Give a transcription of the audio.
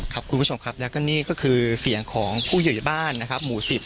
ครับคุณผู้ชมครับและก็นี่ก็คือเสี่ยงของผู้อยู่ในบ้านนะครับหมู่สิบ